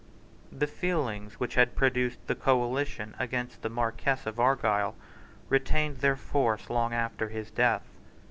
The feelings which had produced the coalition against the Marquess of Argyle retained their force long after his death.